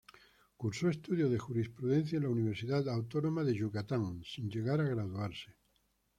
Cursó estudios de jurisprudencia en la Universidad Autónoma de Yucatán, sin llegar a graduarse.